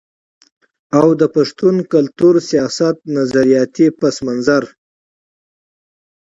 او د پښتون کلتور، سياست، نظرياتي پس منظر